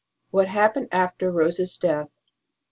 WHAT HAPPENED AFTER ROSE S DEATH.